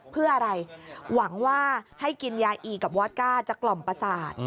เพื่ออะไรหวังว่าให้กินยาอีกับวอตก้าจะกล่อมประสาท